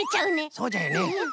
そうじゃよね！